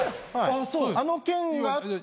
あの件があって。